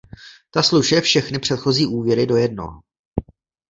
Ta slučuje všechny předchozí úvěry do jednoho.